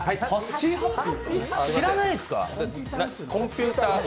知らないですか？